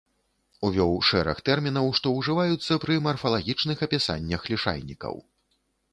Увёў шэраг тэрмінаў, што ўжываюцца пры марфалагічных апісаннях лішайнікаў.